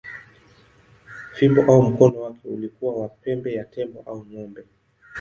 Fimbo au mkono wake ulikuwa wa pembe ya tembo au ng’ombe.